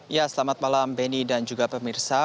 ya selamat malam benny dan juga pemirsa